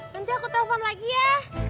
nanti aku telpon lagi ya